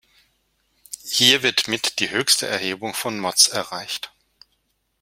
Hier wird mit die höchste Erhebung von Motz erreicht.